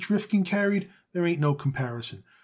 Rifkin carried, there ain't no comparison.